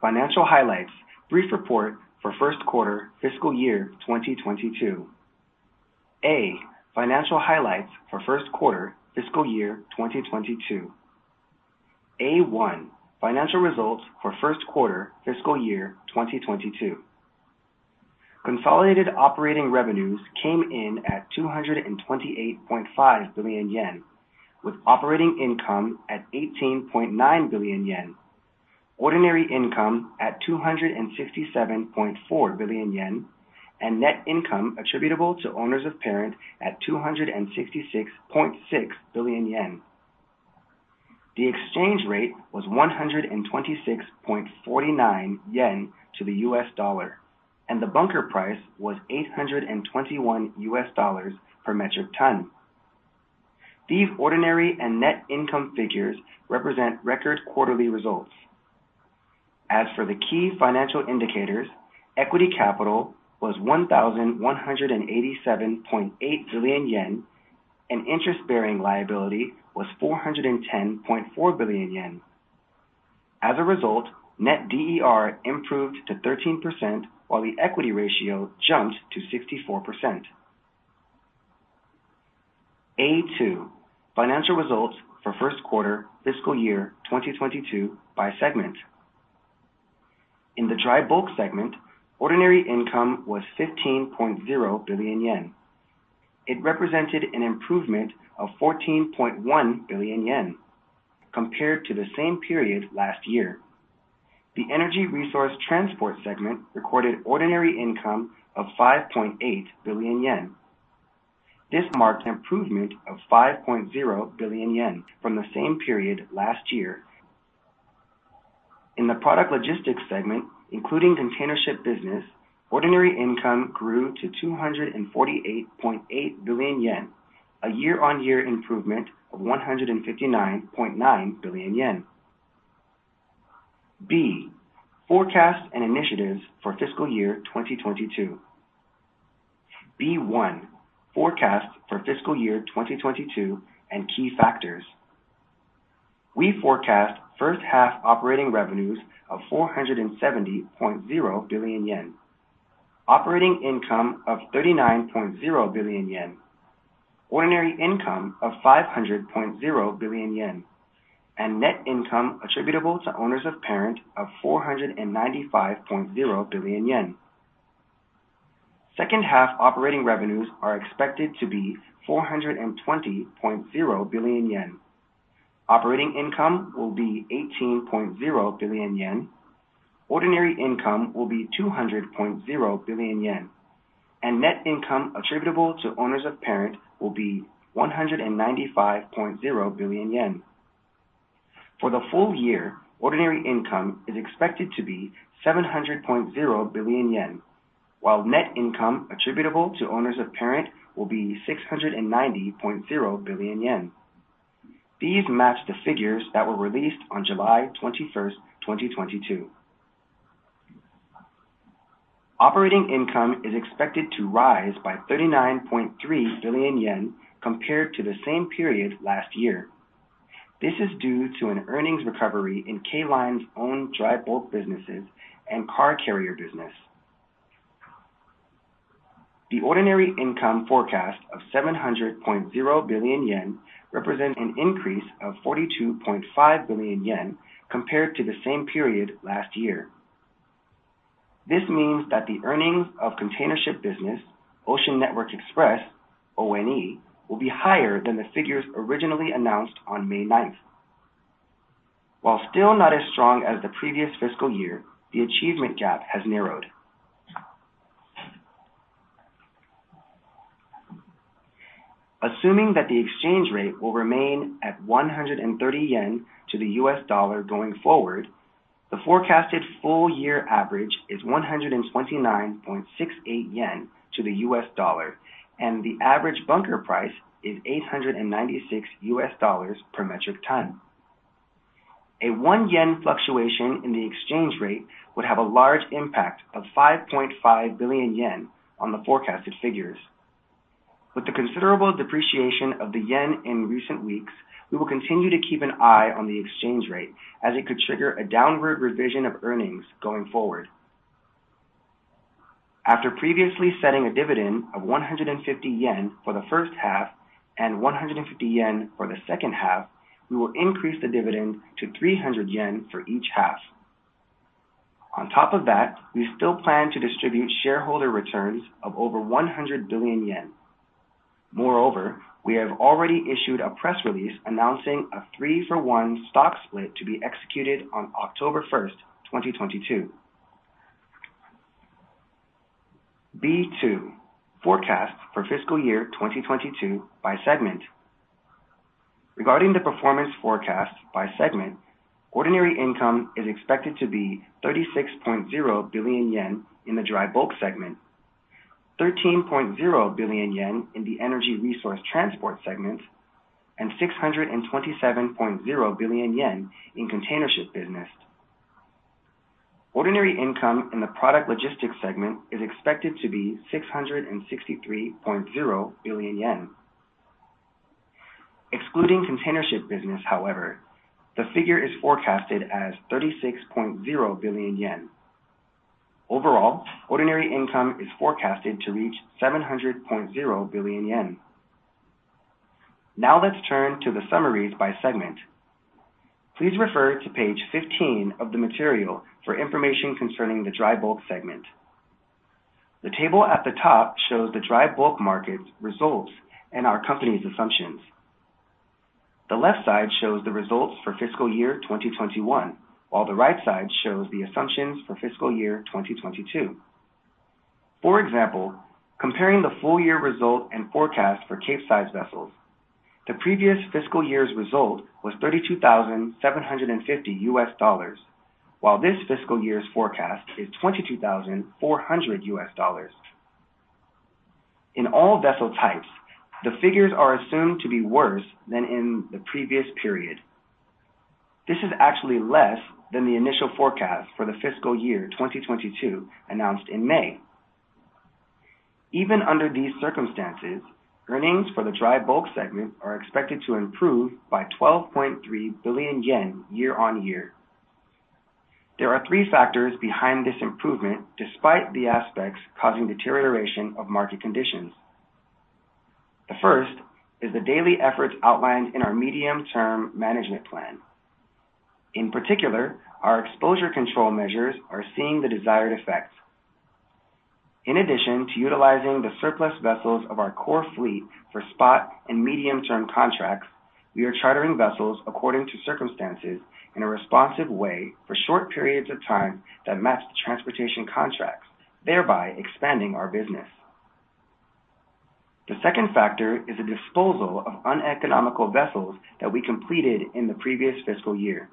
Financial highlights. Brief report for first quarter fiscal year 2022. Financial highlights for first quarter fiscal year 2022. Financial results for first quarter fiscal year 2022. Consolidated operating revenues came in at 228.5 billion yen, with operating income at 18.9 billion yen, ordinary income at 267.4 billion yen, and net income attributable to owners of parent at 266.6 billion yen. The exchange rate was 126.49 yen to the US dollar, and the bunker price was $821 per metric ton. These ordinary and net income figures represent record quarterly results. As for the key financial indicators, equity capital was 1,187.8 billion yen, and interest-bearing liability was 410.4 billion yen. As a result, net DER improved to 13%, while the equity ratio jumped to 64%. A2, financial results for first quarter fiscal year 2022 by segment. In the Dry Bulk segment, ordinary income was 15.0 billion yen. It represented an improvement of 14.1 billion yen compared to the same period last year. The Energy Resource Transport segment recorded ordinary income of 5.8 billion yen. This marked improvement of 5.0 billion yen from the same period last year. In the Product Logistics segment, including Containership Business, ordinary income grew to 248.8 billion yen, a year-on-year improvement of 159.9 billion yen. B. Forecast and initiatives for fiscal year 2022. B.1. Forecast for fiscal year 2022 and key factors. We forecast first half operating revenues of 470.0 billion yen, operating income of 39.0 billion yen, ordinary income of 500.0 billion yen, and net income attributable to owners of parent of 495.0 billion yen. Second half operating revenues are expected to be 420.0 billion yen. Operating income will be 18.0 billion yen. Ordinary income will be 200.0 billion yen, and net income attributable to owners of parent will be 195.0 billion yen. For the full year, ordinary income is expected to be 700.0 billion yen, while net income attributable to owners of parent will be 690.0 billion yen. These match the figures that were released on July 21, 2022. Operating income is expected to rise by 39.3 billion yen compared to the same period last year. This is due to an earnings recovery in K Line's own dry bulk businesses and car carrier business. The ordinary income forecast of 700.0 billion yen represents an increase of 42.5 billion yen compared to the same period last year. This means that the earnings of container ship business, Ocean Network Express, ONE, will be higher than the figures originally announced on May ninth. While still not as strong as the previous fiscal year, the achievement gap has narrowed. Assuming that the exchange rate will remain at 130 yen to the US dollar going forward, the forecasted full year average is 129.68 yen to the US dollar, and the average bunker price is $896 per metric ton. A 1 yen fluctuation in the exchange rate would have a large impact of 5.5 billion yen on the forecasted figures. With the considerable depreciation of the yen in recent weeks, we will continue to keep an eye on the exchange rate as it could trigger a downward revision of earnings going forward. After previously setting a dividend of 150 yen for the first half and 150 yen for the second half, we will increase the dividend to 300 yen for each half. On top of that, we still plan to distribute shareholder returns of over 100 billion yen. Moreover, we have already issued a press release announcing a three-for-one stock split to be executed on October 1, 2022. B2 forecast for fiscal year 2022 by segment. Regarding the performance forecast by segment, ordinary income is expected to be 36.0 billion yen in the dry bulk segment, 13.0 billion yen in the energy resource transport segment, and 627.0 billion yen in containership business. Ordinary income in the Product Logistics segment is expected to be 663.0 billion yen. Excluding container ship business however, the figure is forecasted as 36.0 billion yen. Overall, ordinary income is forecasted to reach 700.0 billion yen. Now let's turn to the summaries by segment. Please refer to page 15 of the material for information concerning the Dry Bulk segment. The table at the top shows the Dry Bulk market results and our company's assumptions. The left side shows the results for fiscal year 2021, while the right side shows the assumptions for fiscal year 2022. For example, comparing the full year results and forecast for Capesize vessels, the previous fiscal year's result was $32,750, while this fiscal year's forecast is $22,400. In all vessel types, the figures are assumed to be worse than in the previous period. This is actually less than the initial forecast for the fiscal year 2022 announced in May. Even under these circumstances, earnings for the dry bulk segment are expected to improve by 12.3 billion yen year-on-year. There are three factors behind this improvement, despite the aspects causing deterioration of market conditions. The first is the daily efforts outlined in our medium-term management plan. In particular, our exposure control measures are seeing the desired effects. In addition to utilizing the surplus vessels of our core fleet for spot and medium-term contracts, we are chartering vessels according to circumstances in a responsive way for short periods of time that match the transportation contracts, thereby expanding our business. The second factor is a disposal of uneconomical vessels that we completed in the previous fiscal year.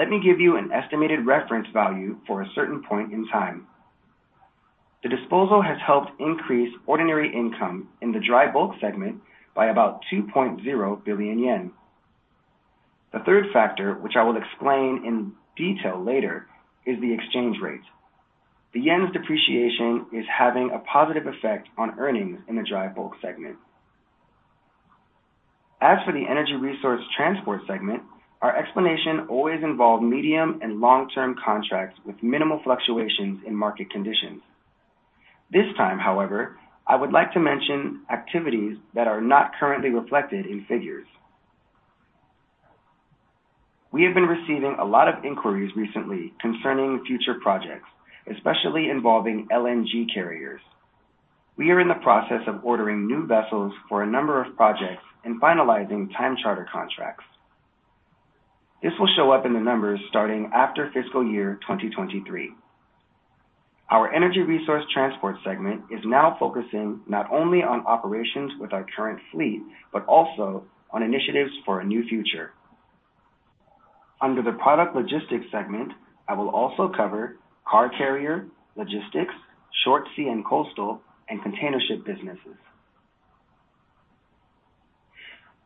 Let me give you an estimated reference value for a certain point in time. The disposal has helped increase ordinary income in the Dry Bulk segment by about 2.0 billion yen. The third factor, which I will explain in detail later, is the exchange rate. The yen's depreciation is having a positive effect on earnings in the Dry Bulk segment. As for the Energy Resource Transport segment, our explanation always involved medium and long-term contracts with minimal fluctuations in market conditions. This time, however, I would like to mention activities that are not currently reflected in figures. We have been receiving a lot of inquiries recently concerning future projects, especially involving LNG carriers. We are in the process of ordering new vessels for a number of projects and finalizing time charter contracts. This will show up in the numbers starting after fiscal year 2023. Our energy resource transport segment is now focusing not only on operations with our current fleet, but also on initiatives for a new future. Under the product logistics segment, I will also cover car carrier, logistics, short sea and coastal, and container ship businesses.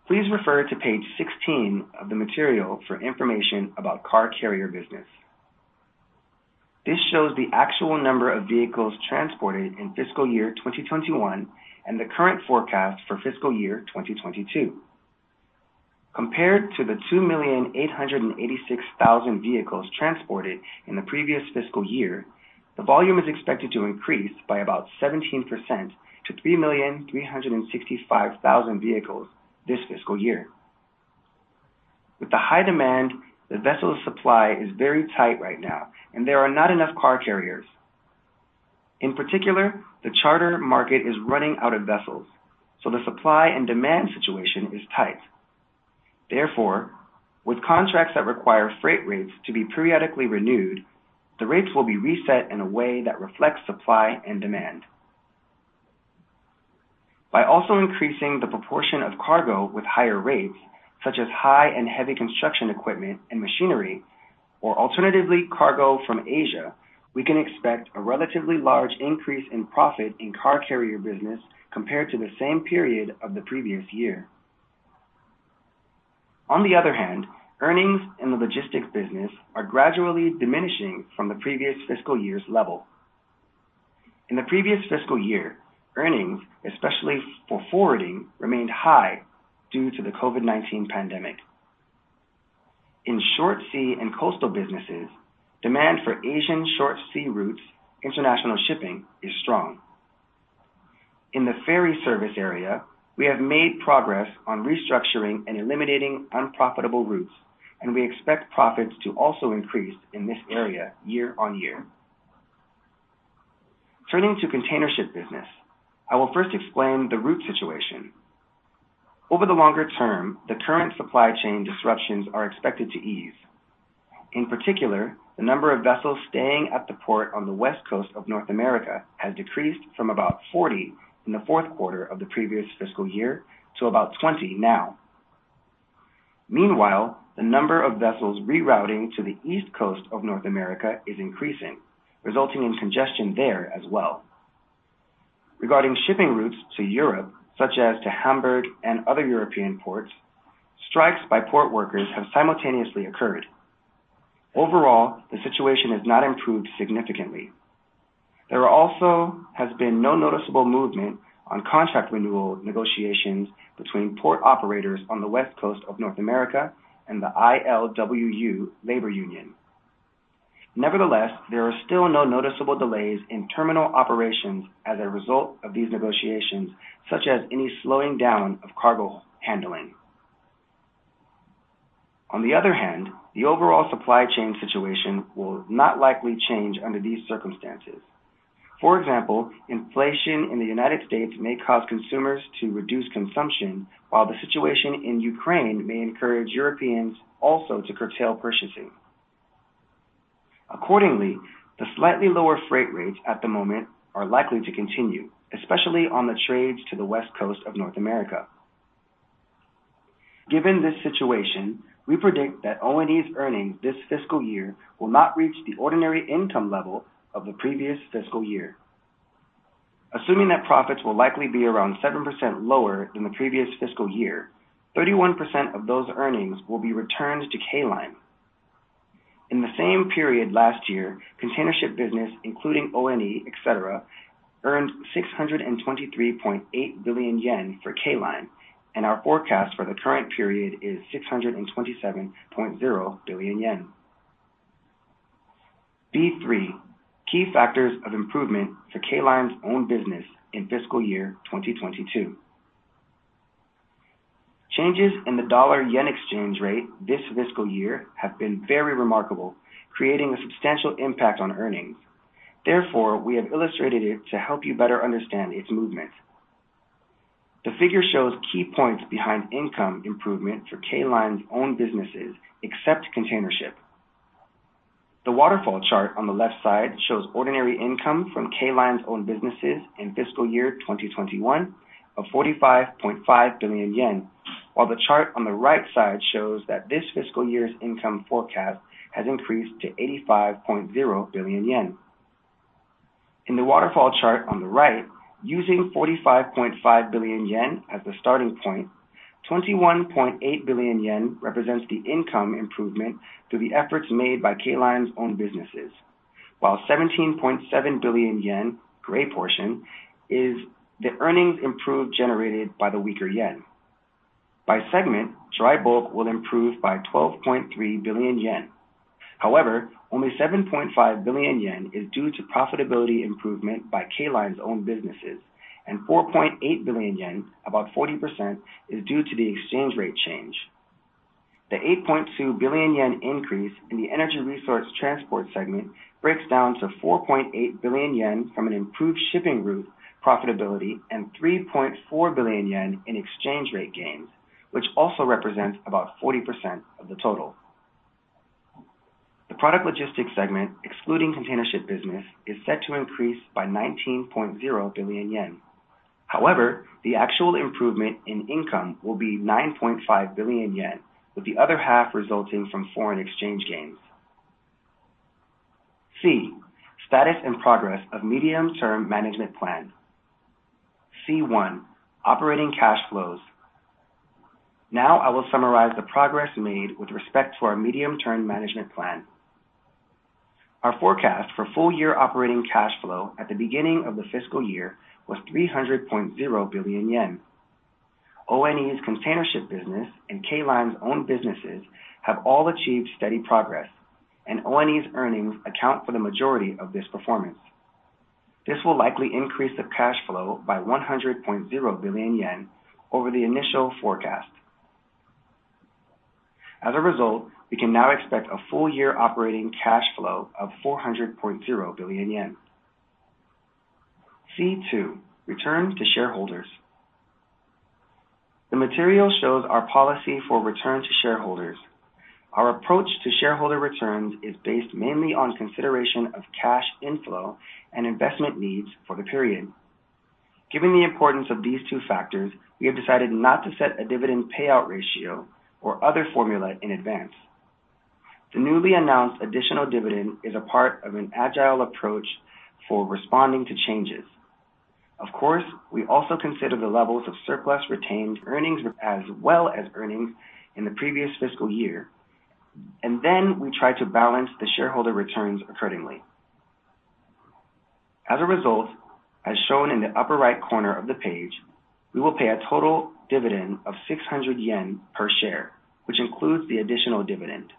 Please refer to page 16 of the material for information about car carrier business. This shows the actual number of vehicles transported in fiscal year 2021 and the current forecast for fiscal year 2022. Compared to the 2,886,000 vehicles transported in the previous fiscal year, the volume is expected to increase by about 17% to 3,365,000 vehicles this fiscal year. With the high demand, the vessel supply is very tight right now, and there are not enough Car Carriers. In particular, the charter market is running out of vessels, so the supply and demand situation is tight. Therefore, with contracts that require freight rates to be periodically renewed, the rates will be reset in a way that reflects supply and demand. By also increasing the proportion of cargo with higher rates, such as High and Heavy construction equipment and machinery, or alternatively, cargo from Asia, we can expect a relatively large increase in profit in Car Carrier business compared to the same period of the previous year. On the other hand, earnings in the logistics business are gradually diminishing from the previous fiscal year's level. In the previous fiscal year, earnings, especially for forwarding, remained high due to the COVID-19 pandemic. In short sea and coastal businesses, demand for Asian short sea routes, international shipping, is strong. In the ferry service area, we have made progress on restructuring and eliminating unprofitable routes, and we expect profits to also increase in this area year-on-year. Turning to container ship business, I will first explain the route situation. Over the longer term, the current supply chain disruptions are expected to ease. In particular, the number of vessels staying at the port on the West Coast of North America has decreased from about 40 in the fourth quarter of the previous fiscal year to about 20 now. Meanwhile, the number of vessels rerouting to the East Coast of North America is increasing, resulting in congestion there as well. Regarding shipping routes to Europe, such as to Hamburg and other European ports, strikes by port workers have simultaneously occurred. Overall, the situation has not improved significantly. There also has been no noticeable movement on contract renewal negotiations between port operators on the West Coast of North America and the ILWU labor union. Nevertheless, there are still no noticeable delays in terminal operations as a result of these negotiations, such as any slowing down of cargo handling. On the other hand, the overall supply chain situation will not likely change under these circumstances. For example, inflation in the United States may cause consumers to reduce consumption, while the situation in Ukraine may encourage Europeans also to curtail purchasing. Accordingly, the slightly lower freight rates at the moment are likely to continue, especially on the trades to the West Coast of North America. Given this situation, we predict that ONE's earnings this fiscal year will not reach the ordinary income level of the previous fiscal year. Assuming that profits will likely be around 7% lower than the previous fiscal year, 31% of those earnings will be returned to K Line. In the same period last year, containership business, including ONE, et cetera, earned 623.8 billion yen for K Line, and our forecast for the current period is 627.0 billion yen. B-3, key factors of improvement for K Line's own business in fiscal year 2022. Changes in the dollar/yen exchange rate this fiscal year have been very remarkable, creating a substantial impact on earnings. Therefore, we have illustrated it to help you better understand its movement. The figure shows key points behind income improvement for K Line's own businesses, except containership. The waterfall chart on the left side shows ordinary income from K Line's own businesses in fiscal year 2021 of 45.5 billion yen, while the chart on the right side shows that this fiscal year's income forecast has increased to 85.0 billion yen. In the waterfall chart on the right, using 45.5 billion yen as the starting point, 21.8 billion yen represents the income improvement through the efforts made by K Line's own businesses, while 17.7 billion yen, gray portion, is the earnings improvement generated by the weaker yen. By segment, dry bulk will improve by 12.3 billion yen. However, only 7.5 billion yen is due to profitability improvement by K Line's own businesses, and 4.8 billion yen, about 40%, is due to the exchange rate change. The 8.2 billion yen increase in the energy resource transport segment breaks down to 4.8 billion yen from an improved shipping route profitability and 3.4 billion yen in exchange rate gains, which also represents about 40% of the total. The product logistics segment, excluding containership business, is set to increase by 19.0 billion yen. However, the actual improvement in income will be 9.5 billion yen, with the other half resulting from foreign exchange gains. C. Status and progress of Medium-Term Management Plan. C-1. Operating Cash Flows. Now I will summarize the progress made with respect to our Medium-Term Management Plan. Our forecast for full-year operating cash flow at the beginning of the fiscal year was 300.0 billion yen. ONE's containership business and K Line's own businesses have all achieved steady progress, and ONE's earnings account for the majority of this performance. This will likely increase the cash flow by 100.0 billion yen over the initial forecast. As a result, we can now expect a full year operating cash flow of 400.0 billion yen. C2, return to shareholders. The material shows our policy for return to shareholders. Our approach to shareholder returns is based mainly on consideration of cash inflow and investment needs for the period. Given the importance of these two factors, we have decided not to set a dividend payout ratio or other formula in advance. The newly announced additional dividend is a part of an agile approach for responding to changes. Of course, we also consider the levels of surplus retained earnings, as well as earnings in the previous fiscal year. Then we try to balance the shareholder returns accordingly. As a result, as shown in the upper right corner of the page, we will pay a total dividend of 600 yen per share, which includes the additional dividend.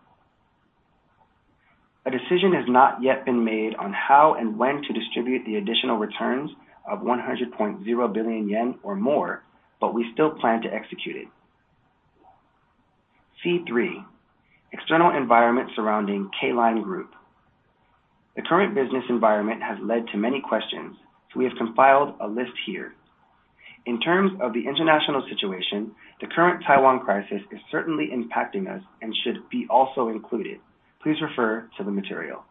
A decision has not yet been made on how and when to distribute the additional returns of 100.0 billion yen or more, but we still plan to execute it. C-3, external environment surrounding K Line Group. The current business environment has led to many questions, so we have compiled a list here. In terms of the international situation, the current Taiwan crisis is certainly impacting us and should be also included. Please refer to the material.